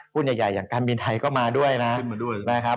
หุ้นใหญ่อย่างการเป็นไทยก็มาด้วยนะครับ